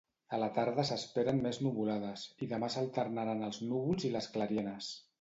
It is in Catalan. A la tarda s'esperen més nuvolades, i demà s'alternaran els núvols i les clarianes.